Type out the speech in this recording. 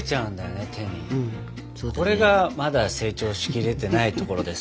これがまだ成長しきれてないところです。